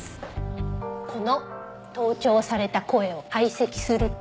この盗聴された声を解析すると。